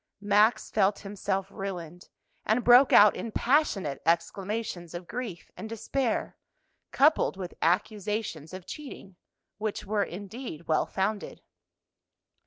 Max felt himself ruined, and broke out in passionate exclamations of grief and despair, coupled with accusations of cheating, which were, indeed, well founded.